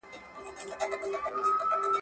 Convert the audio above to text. پرېږده چي تڼاکي مي اوبه کم په اغزیو کي !